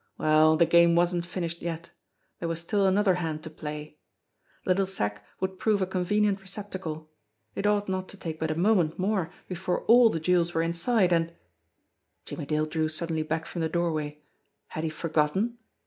Well, the game wasn't finished yet ; there was still another hand to play ! The little sack would prove a convenient receptacle. It ought not to take but a moment more before all the jewels were inside, and Jimmie Dale drew suddenly back from the doorway. Had he forgotten?